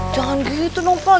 jangan gitu dong pak